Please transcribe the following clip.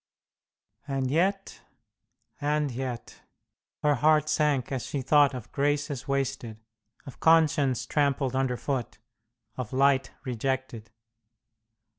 And yet, and yet ... her heart sank as she thought of graces wasted, of conscience trampled underfoot, of light rejected.